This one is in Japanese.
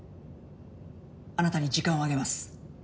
あなたに時間をあげます。